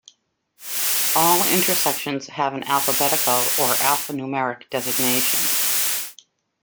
All intersections have an alphabetical or alphanumeric designation.